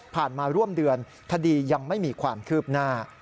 มาร่วมเดือนคดียังไม่มีความคืบหน้า